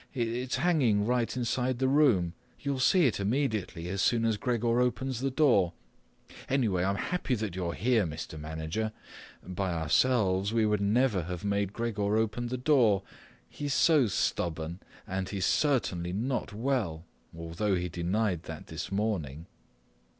It's hanging right inside the room. You'll see it immediately, as soon as Gregor opens the door. Anyway, I'm happy that you're here, Mr. Manager. By ourselves, we would never have made Gregor open the door. He's so stubborn, and he's certainly not well, although he denied that this morning."